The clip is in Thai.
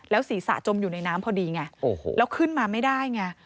ศีรษะจมอยู่ในน้ำพอดีไงแล้วขึ้นมาไม่ได้ไง